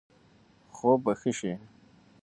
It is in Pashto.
خوب به ښه شي.